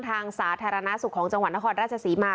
สาธารณสุขของจังหวัดนครราชศรีมา